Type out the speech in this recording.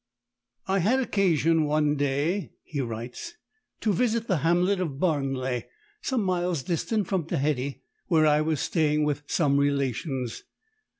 "I had occasion one day," he writes, "to visit the hamlet of Barnley, some miles distant from Tehiddy, where I was staying with some relations.